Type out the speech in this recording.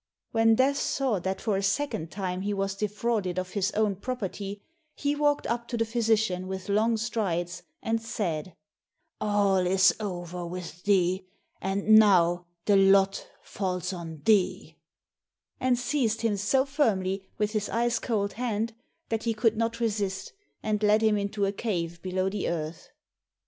When Death saw that for a second time he was defrauded of his own property, he walked up to the physician with long strides, and said, "All is over with thee, and now the lot falls on thee," and seized him so firmly with his ice cold hand, that he could not resist, and led him into a cave below the earth.